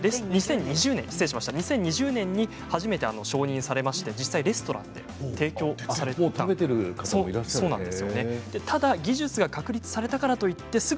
２０２０年に初めて承認されまして実際にレストランで提供されています。